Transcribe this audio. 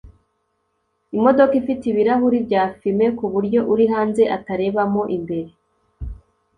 imodoga ifite ibirahuri bya fume kuburyo uri hanze atarebamo imbere